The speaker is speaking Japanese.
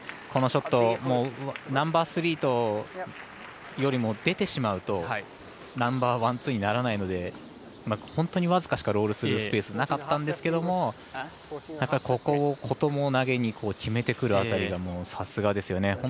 このショットナンバースリーよりも出てしまうとナンバーワン、ツーにならないので本当に僅かしか、ロールするスペースなかったんですけどあとは、ここを投げに決めてくるあたりがさすがですよね。